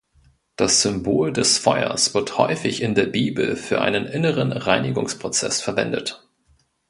Das Symbol des Feuers wird häufig in der Bibel für einen inneren Reinigungsprozess verwendet.